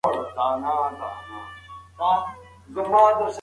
که موږ انار وخورو نو زموږ د معدې سوزش به ختم شي.